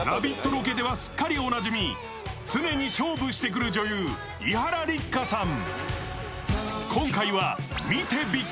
ロケではすっかりおなじみ常に勝負してくる女優・伊原六花さん。